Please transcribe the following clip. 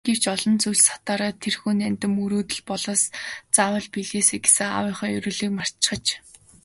Гэвч олон зүйлд сатаараад тэрхүү нандин мөрөөдөл болоод заавал биелээсэй гэсэн аавынхаа ерөөлийг мартчихаж.